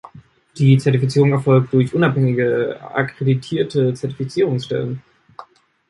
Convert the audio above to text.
Die Zertifizierung erfolgt durch unabhängige, akkreditierte Zertifizierungsstellen.